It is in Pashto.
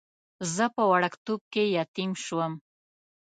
زه په وړکتوب کې یتیم شوم.